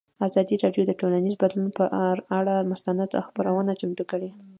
ازادي راډیو د ټولنیز بدلون پر اړه مستند خپرونه چمتو کړې.